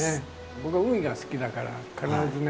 僕は海が好きだから必ずね